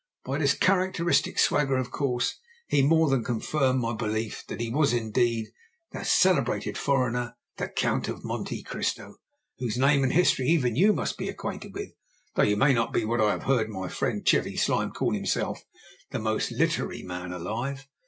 By this characteristic swagger, of course, he more than confirmed my belief that he was, indeed, the celebrated foreigner the Count of Monte Cristo; whose name and history even you must be acquainted with, though you may not be what I have heard my friend Chevy Slime call himself, "the most literary man alive."